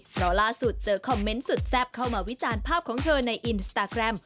เพราะล่าสุดเจอคอมเมนต์สุดแซ่บเข้ามาวิจารณ์ภาพของเธอในอินสตาแกรม